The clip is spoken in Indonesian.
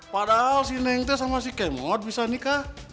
padahal neng sama kemot bisa nikah